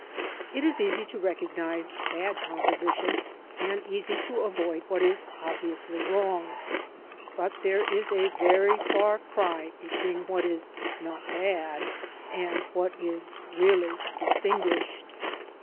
It is easy to recognise bad composition, and easy to avoid what is obviously wrong, but there is a very far cry between what is not bad and what is really distinguished.